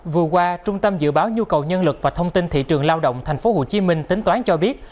vừa qua trung tâm dự báo nhu cầu nhân lực và thông tin thị trường lao động tp hcm tính toán cho biết